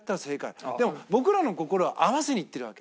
でも僕らの心は合わせにいってるわけ。